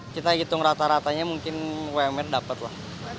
kita hitung rata ratanya mungkin umr dapat lah